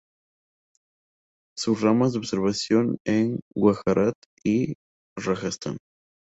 Sus ramas se observaron en Gujarat y Rajastán.